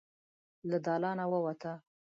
له دالانه ووته.